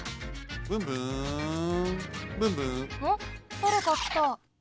だれかきた。